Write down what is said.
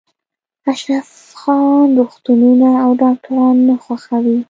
اشرف خان روغتونونه او ډاکټران نه خوښوي